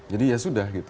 jadi ya sudah gitu